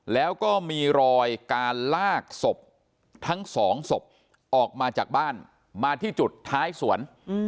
แล้วก็มีรอยการลากศพทั้งสองศพออกมาจากบ้านมาที่จุดท้ายสวน